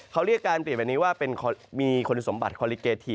เขาเรียกการเปลี่ยนแบบนี้ว่าเป็นมีคุณสมบัติคอลิเกที